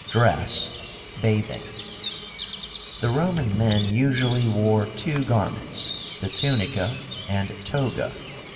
DRESS. BATHING. The Roman men usually wore two garments, the TUNICA and TOGA.